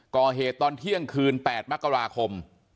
ก่อเหตุตอนเที่ยงคืน๘มกราคม